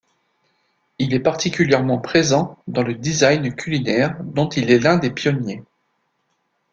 Il est particulièrement présent dans le design culinaire dont il est l'un des pionniers.